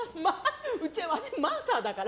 うち、マーサーだから！